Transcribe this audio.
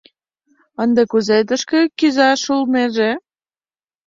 — Ынде кузе тышке кӱзаш улнеже?..